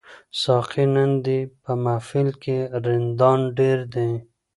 ساقي نن دي په محفل کي رندان ډیر دي